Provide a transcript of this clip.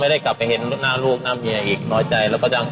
ที่เสียครับใช่ไหมครับใช่ไหมครับใช่ไหมครับใช่ไหมครับใช่ไหมครับใช่ไหมครับ